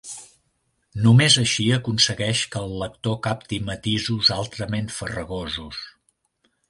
Només així aconsegueix que el lector capti matisos altrament farragosos.